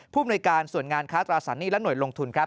ผู้บนรับการส่วนงานค้าตราสันนี่และหน่วยลงทุนครับ